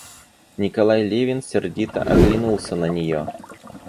Николай Левин сердито оглянулся на нее.